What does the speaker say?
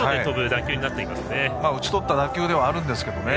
打ち取った打球ではありますがね。